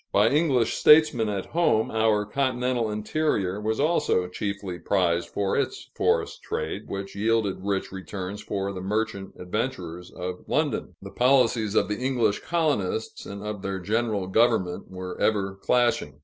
By English statesmen at home, our continental interior was also chiefly prized for its forest trade, which yielded rich returns for the merchant adventurers of London. The policies of the English colonists and of their general government were ever clashing.